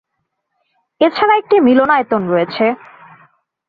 এছাড়া একটি মিলনায়তন রয়েছে।